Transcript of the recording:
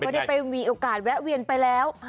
ได้ไปมีโอกาสแวะเวียนไปแล้ว